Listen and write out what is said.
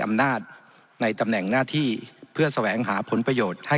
อำนาจในตำแหน่งหน้าที่เพื่อแสวงหาผลประโยชน์ให้